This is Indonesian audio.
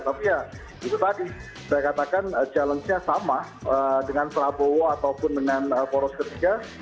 tapi ya itu tadi saya katakan challenge nya sama dengan prabowo ataupun dengan poros ketiga